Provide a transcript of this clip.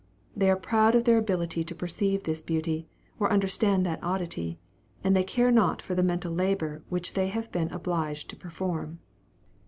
They are proud of their ability to perceive this beauty, or understand that oddity, and they care not for the mental labor which they have been obliged to perform.